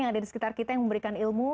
yang ada di sekitar kita yang memberikan ilmu